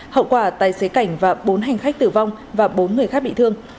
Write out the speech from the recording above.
hậu quả tài xế cảnh và bốn hành khách tử vong và bốn người khác bị thương